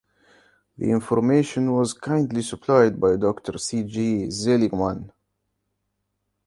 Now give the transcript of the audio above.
The information was kindly supplied by Dr. C. G. Seligmann.